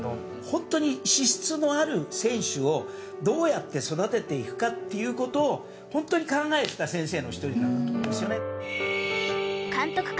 ホントに資質のある選手をどうやって育てていくかっていう事をホントに考えてた先生の一人なんだと思いますよね。